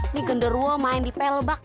ini genderuo main di pelbak